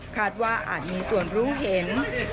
คาดว่าอาจมีส่วนรู้เห็น